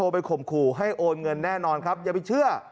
ไปข่มขู่ให้โอนเงินแน่นอนครับอย่าไปเชื่อ